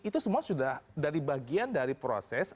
itu semua sudah dari bagian dari proses